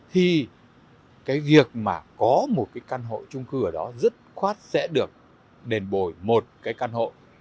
thì cái việc mà có một cái căn hộ trung cư ở đó rất khoát sẽ được đền bù một cái căn hộ